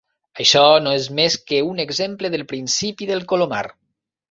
Això no és més que un exemple del principi del colomar.